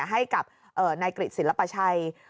ให้กับนายกริจศิลปชัย